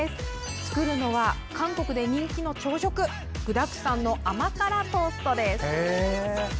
作るのは、韓国の人気の朝食具だくさんの甘辛トーストです。